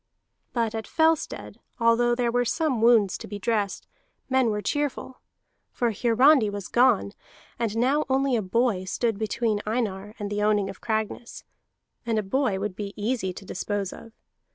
But at Fellstead, although there were some wounds to be dressed, men were cheerful. For Hiarandi was gone, and now only a boy stood between Einar and the owning of Cragness; and a boy would be easy to dispose of.